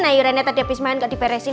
nah yurenya tadi abis main gak diberesin